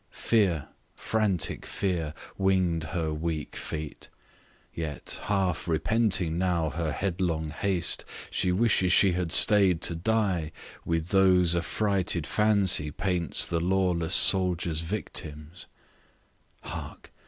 Fear, frantic Fear, Wing'd her weak feet; yet, half repenting now Her headlong haste, she wishes she had staid To die with those affrighted Fancy paints The lawless soldiers' victims Hark!